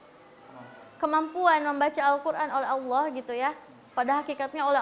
rasa syukur saya diberikan kemampuan membaca alquran oleh allah gitu ya pada hakikatnya oleh